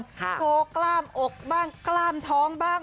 โชว์กล้ามอกบ้างกล้ามท้องบ้าง